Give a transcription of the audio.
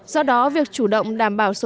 do đó việc chủ động đảm bảo số